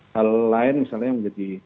hal lain misalnya menjadi